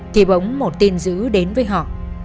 thì bỗng một tin dữ đến với họ